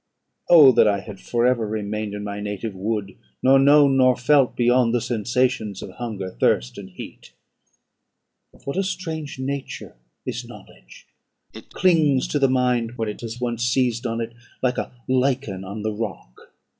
Oh, that I had for ever remained in my native wood, nor known nor felt beyond the sensations of hunger, thirst, and heat! "Of what a strange nature is knowledge! It clings to the mind, when it has once seized on it, like a lichen on the rock.